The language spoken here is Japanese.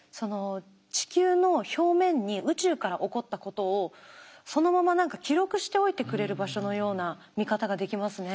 地球の表面に宇宙から起こったことをそのまま何か記録しておいてくれる場所のような見方ができますね。